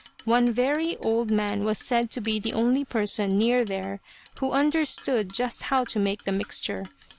One very old man was said to be the only person near there who understood just how to make the mixture.